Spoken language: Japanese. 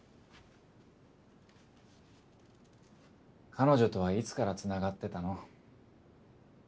彼女とはいつからつながってたの？